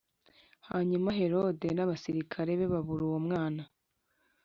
Hanyuma Herode n abasirikare be Babura uwomwana